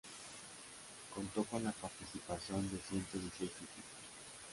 Contó con la participación de ciento dieciocho equipos.